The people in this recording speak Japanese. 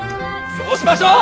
そうしましょう！